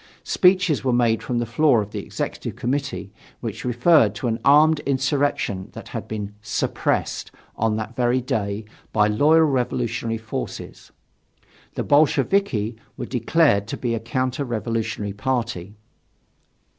Speeches were made from the floor of the Executive Committee, which referred to an armed insurrection that had been "suppressed" on that very day by loyal revolutionary forces. The Bolsheviki were declared to be a counter revolutionary party.